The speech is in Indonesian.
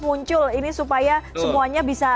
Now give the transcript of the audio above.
muncul ini supaya semuanya